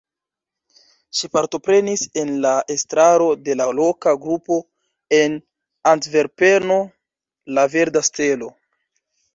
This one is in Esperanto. Ŝi partoprenis en la estraro de la loka grupo en Antverpeno La Verda Stelo.